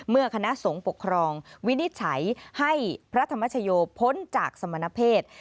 คณะสงฆ์ปกครองวินิจฉัยให้พระธรรมชโยพ้นจากสมณเพศ